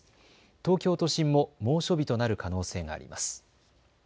東京都心も猛暑日となる可能性があります。